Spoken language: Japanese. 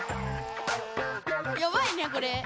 やばいねこれ。